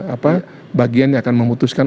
apa bagian yang akan memutuskan